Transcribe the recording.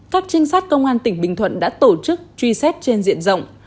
các trinh sát công an tỉnh bình thuận đã tổ chức truy xét trên diện rộng